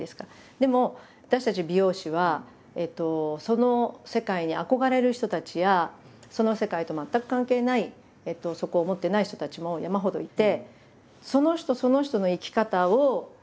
でも私たち美容師はその世界に憧れる人たちやその世界と全く関係ないそこを持ってない人たちも山ほどいて。